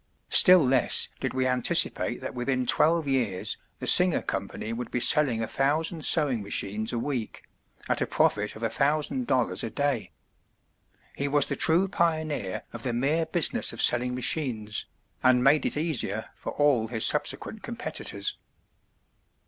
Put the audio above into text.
Still less did we anticipate that within twelve years the Singer company would be selling a thousand sewing machines a week, at a profit of a thousand dollars a day. He was the true pioneer of the mere business of selling machines, and made it easier for all his subsequent competitors."